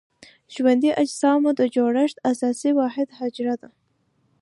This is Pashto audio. ژوندي اجسامو د جوړښت اساسي واحد حجره ده.